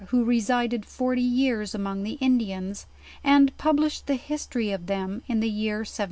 who resided forty years among the Indians, and published the history of them in the year 1112.